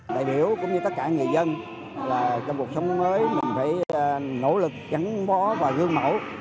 đại biểu cũng như tất cả người dân trong cuộc sống mới mình phải nỗ lực gắn bó và gương mẫu